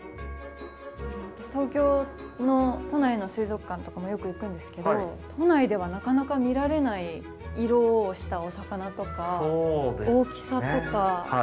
私東京の都内の水族館とかもよく行くんですけど都内ではなかなか見られない色をしたお魚とか大きさとか。